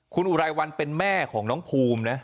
คุณอุไรวันเป็นแม่ของน้องภูมินะ